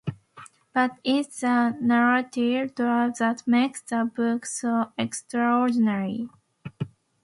But it's the narrative drive that makes the book so extraordinary.